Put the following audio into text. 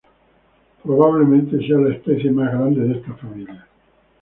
Probablemente sea la especie más grande de esta familia.